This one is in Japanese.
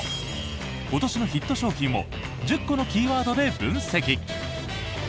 今年のヒット商品を１０個のキーワードで分析。